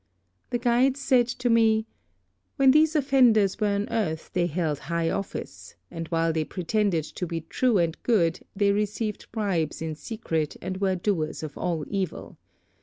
The guides said to me, 'When these offenders were on earth they held high office, and while they pretended to be true and good they received bribes in secret and were doers of all evil.